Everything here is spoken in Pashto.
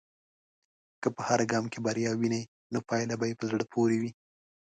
که په هر ګام کې بریا ووینې، نو پايله به په زړه پورې وي.